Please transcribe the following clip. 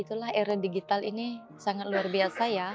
itulah era digital ini sangat luar biasa ya